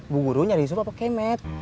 bu guru nyari yusuf apa kemet